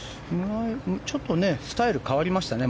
ちょっとスタイルが変わりましたね。